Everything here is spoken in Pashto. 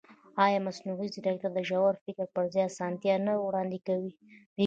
ایا مصنوعي ځیرکتیا د ژور فکر پر ځای اسانتیا نه وړاندې کوي؟